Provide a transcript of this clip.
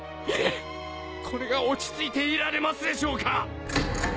いえこれが落ち着いていられますでしょうか。